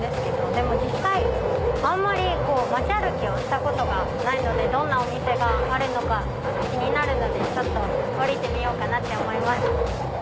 でも実際あんまり街歩きをしたことがないのでどんなお店があるのか気になるので降りてみようかなって思います。